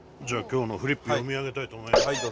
じゃあ今日のフリップ読み上げたいと思います。